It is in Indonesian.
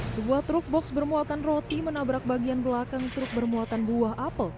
sebuah truk box bermuatan roti menabrak bagian belakang truk bermuatan buah apel